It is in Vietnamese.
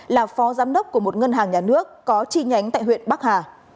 là phó giám đốc của một ngân hàng nhà nước có chi nhánh tại huyện bắc hà